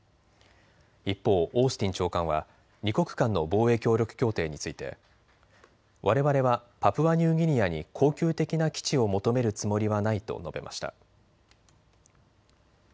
一方、オースティン長官は２国間の防衛協力協定についてわれわれはパプアニューギニアに恒久的な基地を求めるつもりはないと述べました。